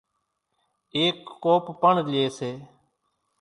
ايڪ ڪوپ پڻ لئي سي۔